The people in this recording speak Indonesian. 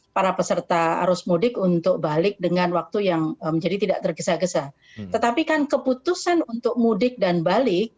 para peserta arus mudik untuk balik dengan waktu yang menjadi tidak tergesa gesa tetapi kan keputusan untuk mudik dan balik